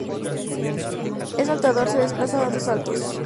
Es saltador, se desplaza dando saltos.